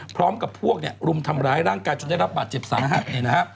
พร้อมกับพวกรุมทำร้ายร่างกายจนได้รับบัตรเจ็บสาหัส